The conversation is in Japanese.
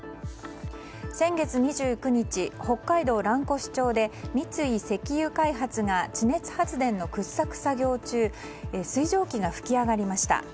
先月２９日、北海道蘭越町で三井石油開発が地熱発電の掘削作業中水蒸気が噴き上がりました。